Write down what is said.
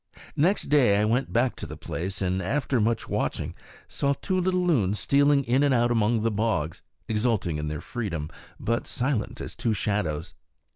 Next day I went back to the place, and, after much watching, saw two little loons stealing in and out among the bogs, exulting in their freedom, but silent as two shadows.